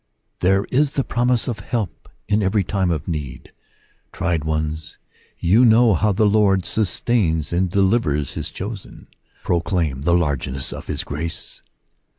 There is the promise of help in every time of need, Tried ones, you know how the Lord sustains and delivers his chosen ; proclaim the largeness of his grace